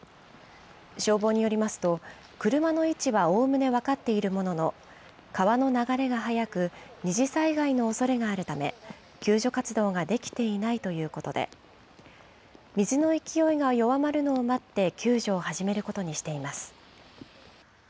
消防によりますと、車の位置はおおむね分かっているものの、川の流れが速く二次災害のおそれがあるため、救助活動ができていないということで、水の勢いが弱まるのを待って、救助を始めることにしています。